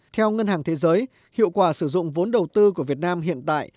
theo ngân hàng thế giới hiệu quả sử dụng vốn đầu tư của việt nam hiện tại